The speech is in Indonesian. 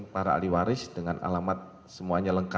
silakan ibu komander